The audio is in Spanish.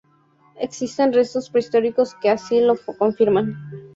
Existen restos prehistóricos que así lo confirman.